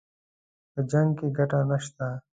په جـنګ كښې ګټه نشته